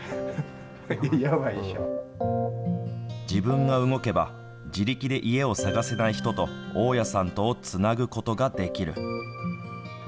自分が動けば、自力で家を探せない人と大家さんとをつなぐことができる。